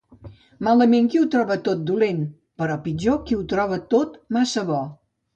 Malament qui ho troba tot dolent; però pitjor qui ho troba tot massa bo.